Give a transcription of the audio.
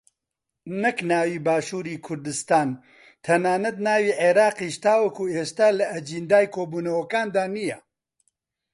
نەک ناوی باشووری کوردستان تەنانەت ناوی عێراقیش تاوەکو ئێستا لە ئەجێندای کۆبوونەوەکاندا نییە